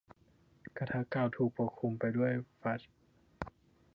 กระทะเก่าถูกปกคลุมไปด้วยฟัดจ์